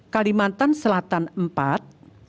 kalimantan selatan iv